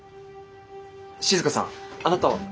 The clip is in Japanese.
静さんあなたは。